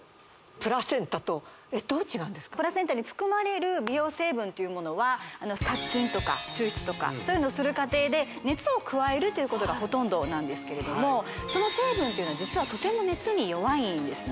プラセンタに含まれる美容成分というものは殺菌とか抽出とかそういうのをする過程で熱を加えるということがほとんどなんですけれどもその成分というのは実はとても熱に弱いんですね